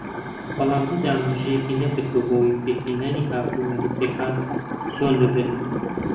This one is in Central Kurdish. بەڵام هیچ ئاماژەیەکی نەکردووە بەوەی پێکهێنانی هاوپەیمانێتییەکان چۆن دەبێت